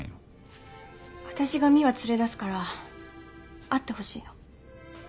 わたしが美羽連れ出すから会ってほしいの。